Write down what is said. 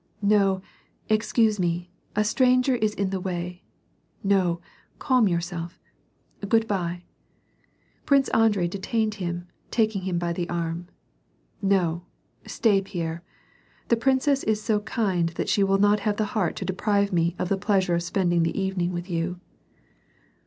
No, excuse me, a stranger is in the way. No, calm yourself, good by." Prince Andrei detained him, taking him by the arm, —" No, stay Pierre. The princess is so kind that she will not have the heart to deprive me of the pleasure of spending the evening with you."